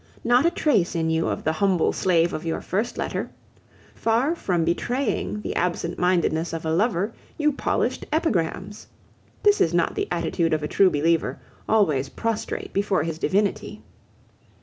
Not a trace in you of the humble slave of your first letter. Far from betraying the absent mindedness of a lover, you polished epigrams! This is not the attitude of a true believer, always prostrate before his divinity.